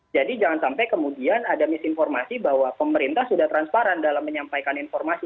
jadi jangan sampai kemudian ada misinformasi bahwa pemerintah sudah transparan dalam menyampaikan informasi